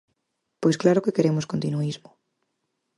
Pois claro que queremos continuísmo.